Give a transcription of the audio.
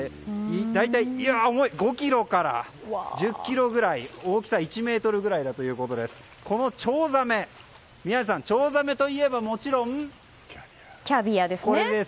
大体、５ｋｇから１０ｋｇくらい大きさ１ｍくらいだということでこのチョウザメ、宮司さんチョウザメといえばもちろん、これです。